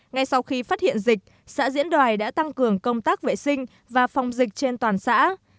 ngay sau khi phát hiện dịch xã diễn đoàn đã tăng cường công tác vệ sinh và phòng dịch trên toàn xã